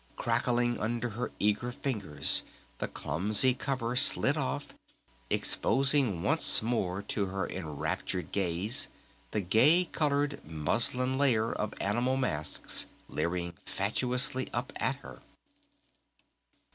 Cracklingly under her eager fingers the clumsy cover slid off, exposing once more to her enraptured gaze the gay colored muslin layer of animal masks leering fatuously up at her.